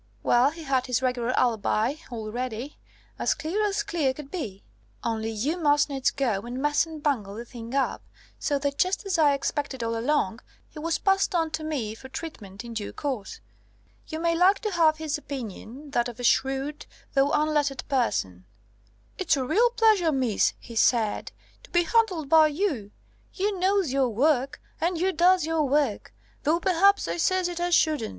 Well, he had his regular alibi all ready, as clear as clear could be; only you must needs go and mess and bungle the thing up, so that, just as I expected all along, he was passed on to me for treatment in due course. You may like to have his opinion that of a shrewd, though unlettered person. 'It's a real pleasure, miss,' he said, 'to be handled by you. You knows your work, and you does your work though p'raps I ses it as shouldn't.